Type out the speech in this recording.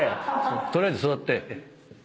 取りあえず座って。